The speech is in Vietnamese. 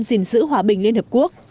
gìn giữ hòa bình liên hợp quốc